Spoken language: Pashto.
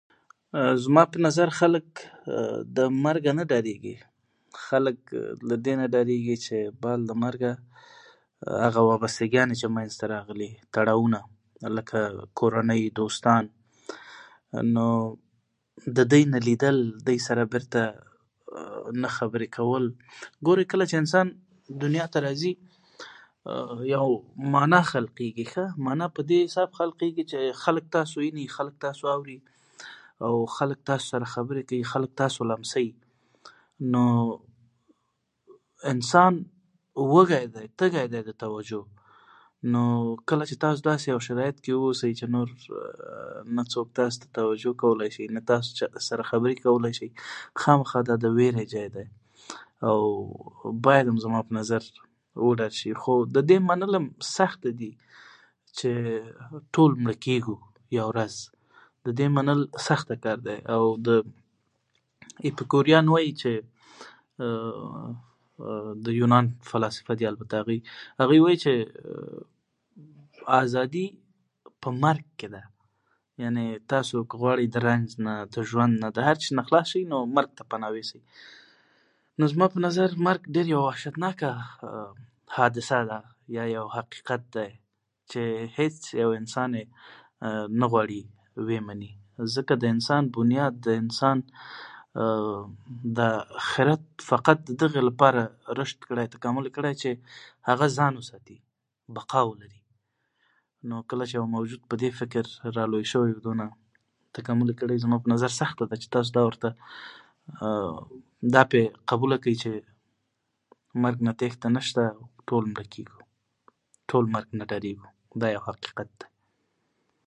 زما په نظر خلک له مرګه نه ډاریږي خلک له دې نه ډاریږي چې بعد له مرګه هغه وابسته ګانې تړاوونه لکه کورنۍ دوستان ممم نو ددې نه لیدل له دوی سره نه خبرې کول ګوری کله چې انسان دنیا ته راځي یو معنا خلق کیږي ښه معنا په دې حساب خلق کیږي چې يعني خلک تاسو ويني خلک تاسو آوري او خلک تاسو سره خبري کوي اوخلک تاسو لمسوي نو انسان وږی دی تږی دی د توجو نو کله چې تاسو داسي یو شرایط کې واوسئ نور نه څوک تاسو ته توجو کولای نه شي نه تاسو چا سره خبري کولای شئ خامخا دا دې ویرې ځای دی او باید هم زما په نظر وډار شي خو ددې منل هم سخته دي ټول مړه کیږو یوه ورځ ددې منل سخته کار دی ایفکوریان وایې چې مممم د یونان فلسفه دي البته هغوی وایې چې آزادي په مرګ کې ده يعني که تاسو غواړئ چې د رنځ نه د ژوند نه که غواړئ چې خلاص شی نو مرګ ته پناه یوسئ نو زما په نظر مرګ ډیره یوه وحشتناکه حادثه ده یا یو حقیقت دی چې هيڅ یو انسان يې نه غواړي ومني ځکه د انسان بونیاد د انسان دا خیرت فقد ددغې لپاره رشد کړی تکامل کړی چې هغه ځان وساتي په قول وي نو کله چې یو موجود دې فکر سره رالوی شوی وی نو دومره تکامل يې کړی وي نو سخته ده چې دا ورته په قبوله کړی چې مرګ نه تيښته نشته ټول مړه کیږو